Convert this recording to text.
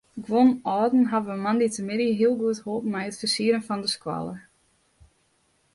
Guon âlden hawwe moandeitemiddei heel goed holpen mei it fersieren fan de skoalle.